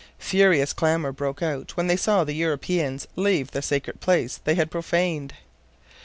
Furious clamor broke out when they saw the Europeans leave the sacred place they had profaned.